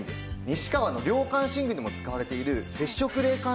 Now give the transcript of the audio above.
西川の涼感寝具にも使われている接触冷感